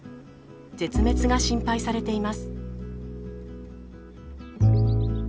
絶滅が心配されています。